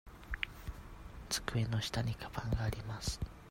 机の下にかばんがあります。